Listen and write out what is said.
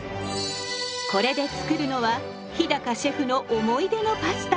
これで作るのは日シェフの思い出のパスタ。